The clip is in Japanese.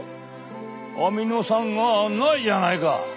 アミノ酸がないじゃないか！